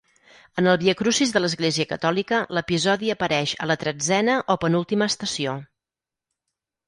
En el viacrucis de l'Església Catòlica l'episodi apareix a la tretzena o penúltima estació.